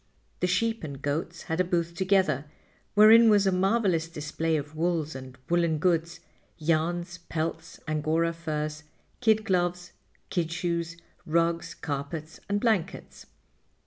The sheep and goats had a booth together, wherein was a marvelous display of wools and woolen goods, yarns, pelts, angora furs, kid gloves, kid shoes, rugs, carpets and blankets.